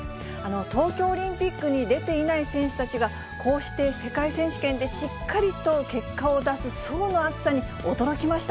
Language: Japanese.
東京オリンピックに出ていない選手たちが、こうして世界選手権でしっかりと結果を出す層の厚さに驚きました。